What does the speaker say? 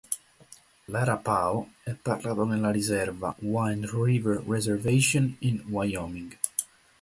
L'arapaho è parlato nella riserva, Wind River Reservation in Wyoming.